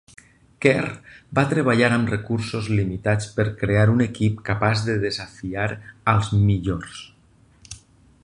Kerr va treballar amb recursos limitats per crear un equip capaç de desafiar als millors.